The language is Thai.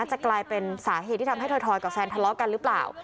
จะกลายเป็นสาเหตุที่ทำให้ถอยกับแฟนทะเลาะกันหรือเปล่า